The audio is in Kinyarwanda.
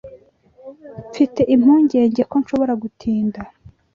Mfite impungenge ko nshobora gutinda.